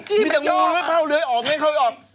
มีแต่งงื้อเผ่าเลยออกง่ายเขาออก